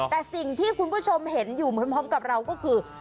แต่สิ่งที่คุณผู้ชมเห็นอยู่พร้อมกับเราก็คือ